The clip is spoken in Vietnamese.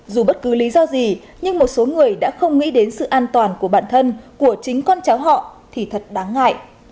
dù bất cứ lý do gì nhưng một số người đã không nghĩ đến sự an toàn của bản thân của chính con cháu họ thì thật đáng ngại